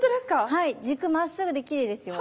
はい軸まっすぐできれいですよ。